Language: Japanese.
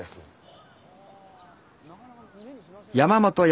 はあ。